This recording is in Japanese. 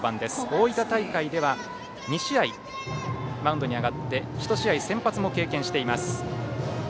大分大会では２試合マウンドに上がって１試合、先発も経験しています。